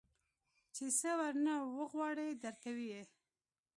چې سه ورنه وغواړې درکوي يې.